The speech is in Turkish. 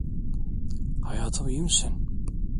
Hayatım, iyi misin?